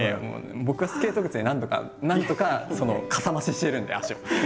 僕はスケート靴でなんとかなんとかかさ増ししてるんで足を。